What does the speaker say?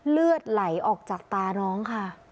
เลือดไหลออกจากตาน้องค่ะ